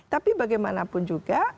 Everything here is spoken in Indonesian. tapi bagaimanapun juga